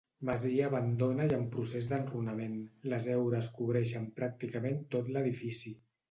Masia abandona i en procés d'enrunament; les heures cobreixen pràcticament tot l'edifici.